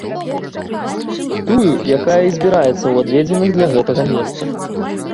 Тую, якая і збіраецца ў адведзеных для гэтага месцах.